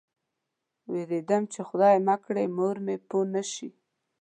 وېرېدم چې خدای مه کړه مور مې پوه نه شي.